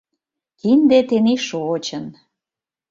Кинде тений шочын...